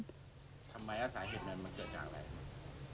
ทำไมสาเหตุนั้นมันเกิดจากอะไรครับ